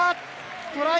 トライ！